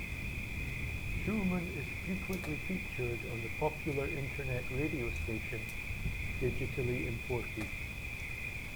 Shulman is frequently featured on the popular internet radio station, Digitally Imported.